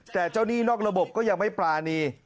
แต่เจ้าหนี้นอกระบบก็ยังไม่ปรานี